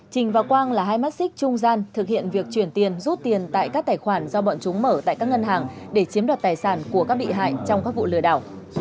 trình và quang là hai mắt xích trung gian thực hiện việc chuyển tiền rút tiền tại các tài khoản do bọn chúng mở tại các ngân hàng để chiếm đoạt tài sản của các bị hại trong các vụ lừa đảo